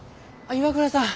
岩倉さん。